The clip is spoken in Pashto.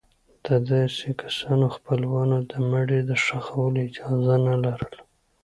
د داسې کسانو خپلوانو د مړي د ښخولو اجازه نه لرله.